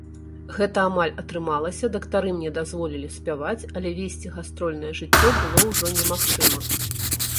Гэта амаль атрымалася, дактары мне дазволілі спяваць, але весці гастрольнае жыццё было ўжо немагчыма.